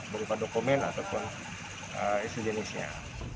berupa dokumen ataupun isu jenisnya